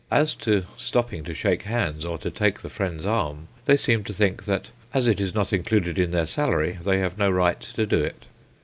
As to stopping to shake hands, or to take the friend's arm, they seem to think that as it is not included in their salary, they have no right to do it.